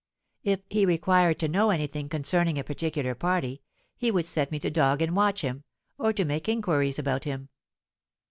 If he required to know any thing concerning a particular party, he would set me to dog and watch him, or to make inquiries about him.